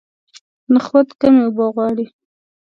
نخود کمې اوبه غواړي.